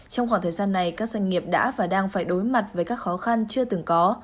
trong khoảng thời gian này các doanh nghiệp đã và đang phải đối mặt với các khó khăn chưa từng có